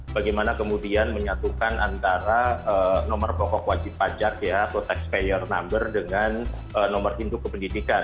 bagaimana kemudian menyatukan antara nomor pokok wajib pajak ya atau tax player number dengan nomor induk kependidikan